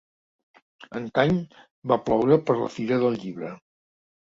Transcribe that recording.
Antany va ploure per la Fira del Llibre.